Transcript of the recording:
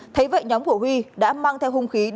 thấy vậy nhóm của huy đã mang theo hung khí